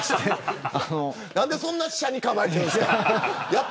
何でそんなに斜に構えてるんですか。